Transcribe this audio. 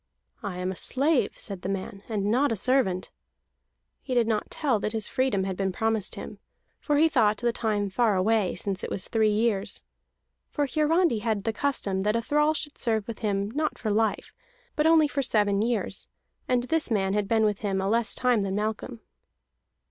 "I am a slave," said the man, "and not a servant." He did not tell that his freedom had been promised him, for he thought that time far away, since it was three years. For Hiarandi had the custom that a thrall should serve with him not for life, but for only seven years, and this man had been with him a less time than Malcolm.